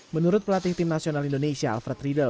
menurut pelatih tim nasional indonesia alfred riedel